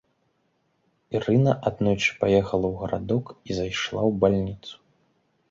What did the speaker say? Ірына аднойчы паехала ў гарадок і зайшла ў больніцу.